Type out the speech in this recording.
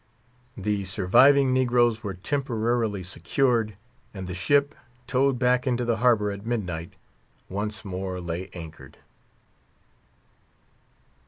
The surviving negroes were temporarily secured, and the ship, towed back into the harbor at midnight, once more lay anchored.